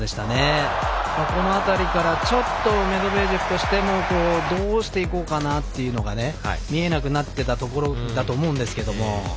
この辺りからちょっとメドベージェフとしてもどうしていこうかなっていうのが見えなくなってたところだと思うんですけれども。